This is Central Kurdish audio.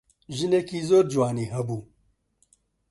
ژنێکی زۆر جوانی هەبوو.